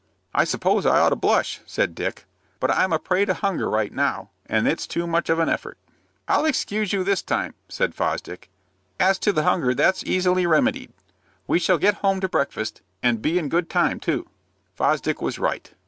"I suppose I ought to blush," said Dick; "but I'm a prey to hunger just now, and it's too much of an effort." "I'll excuse you this time," said Fosdick. "As to the hunger, that's easily remedied. We shall get home to breakfast, and be in good time too." Fosdick was right.